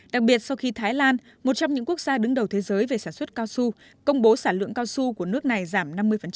đặc biệt sau khi thái lan một trong những quốc gia đứng đầu thế giới về sản xuất cao su công bố sản lượng cao su của nước này giảm năm mươi